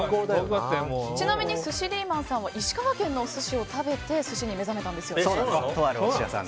ちなみに寿司リーマンさんは石川県のお寿司を食べて寿司に目覚めたんですよね。